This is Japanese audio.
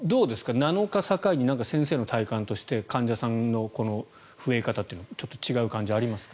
７日を境に先生の体感として患者さんの増え方というのはちょっと違う感じ、ありますか？